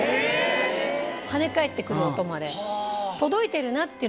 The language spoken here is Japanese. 跳ね返って来る音まで。